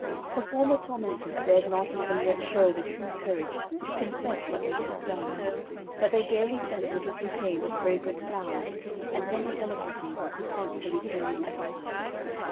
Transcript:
Her former tormentors dared not even yet show the true courage to confess what they had done, but they daily sent little bouquets of fragrant flowers and many delicacies to tempt her returning appetite.